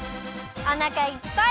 おなかいっぱい！